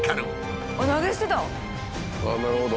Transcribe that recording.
なるほど。